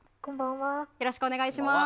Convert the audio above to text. よろしくお願いします。